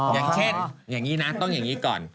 อย่างเช่นอย่างนี้นะต้องอย่างนี้ก่อน